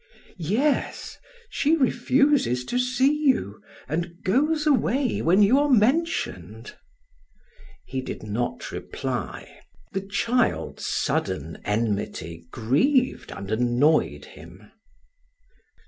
"Yes. She refuses to see you and goes away when you are mentioned." He did not reply. The child's sudden enmity grieved and annoyed him.